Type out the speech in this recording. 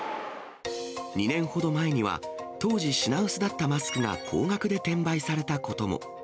２年ほど前には、当時、品薄だったマスクが高額で転売されたことも。